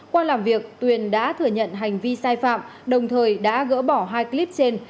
qua làm việc tuyền đã thừa nhận hành vi sai phạm đồng thời đã gỡ bỏ hai clip trên